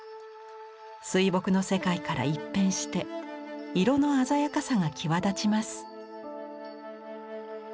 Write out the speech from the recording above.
水墨の世界から一変して色の鮮やかさが際立ちます。